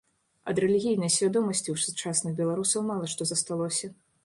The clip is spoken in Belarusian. Ад рэлігійнай свядомасці ў сучасных беларусаў мала што засталося.